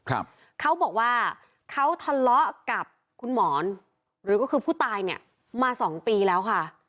เขาบอกว่าเขาทะเลาะกับคุณหมอนหรือก็คือผู้ตายเนี่ยมาสองปีแล้วค่ะ